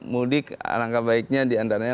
mudik langkah baiknya diantaranya